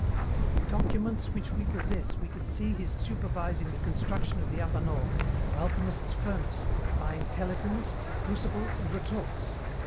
"From documents which we posses we can see his supervising the construction of the athanor, or alchemists' furnace, buying pelicans, crucibles, and retorts.